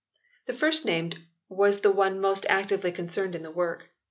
The first named was the one most actively concerned in the work.